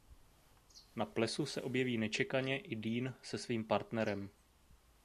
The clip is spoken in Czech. Na plesu se objeví nečekaně i Dean se svým partnerem.